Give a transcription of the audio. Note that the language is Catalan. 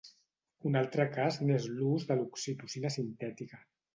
Un altre cas n'és l'ús de l'oxitocina sintètica.